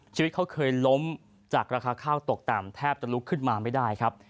ชีวิตเขาเคยล้มจากราคาข้าวตกต่ำแทบจะลุกขึ้นมาไม่ได้ครับ